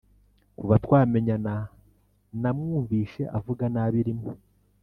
Kuva twamenyana namwumvishe avuga nabi rimwe